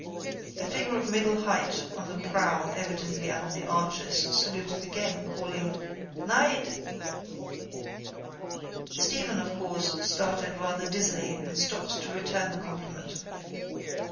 A figure of middle height on the prowl evidently under the arches saluted again, calling: —Night! Stephen of course started rather dizzily and stopped to return the compliment.